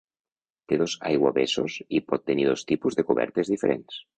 Té dos aiguavessos i pot tenir dos tipus de cobertes diferents.